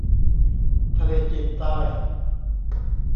ทะเลจีนใต้